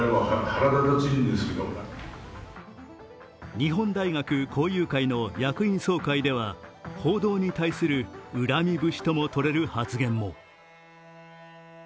日本大学校友会の役員総会では報道に対する恨み節とも取れる発言も。